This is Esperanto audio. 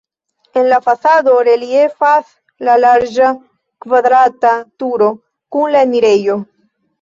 En la fasado reliefas la larĝa kvadrata turo kun la enirejo.